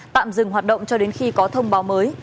tạm dừng hoạt động cho đến khi có thông báo mới